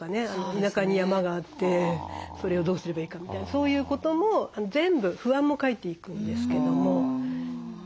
田舎に山があってそれをどうすればいいかみたいなそういうことも全部不安も書いていくんですけども。